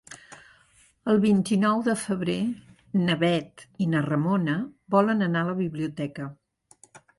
El vint-i-nou de febrer na Bet i na Ramona volen anar a la biblioteca.